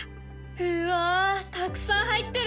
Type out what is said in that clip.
うわたくさん入ってる！